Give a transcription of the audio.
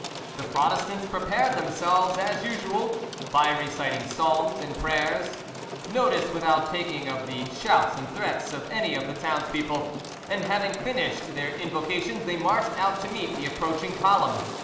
The Protestants prepared themselves, as usual, by reciting psalms and prayers, notice without taking of the shouts and threats of any of the townspeople, and having finished their invocations, they marched out to meet the approaching column.